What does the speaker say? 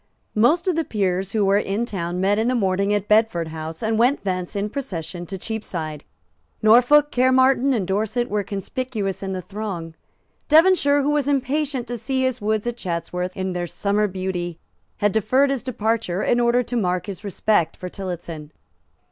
Most of the peers who were in town met in the morning at Bedford House, and went thence in procession to Cheapside. Norfolk, Caermarthen and Dorset were conspicuous in the throng. Devonshire, who was impatient to see his woods at Chatsworth in their summer beauty, had deferred his departure in order to mark his respect for Tillotson.